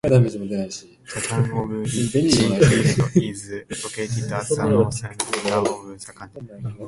The Town of Richfield is located at the northern border of the county.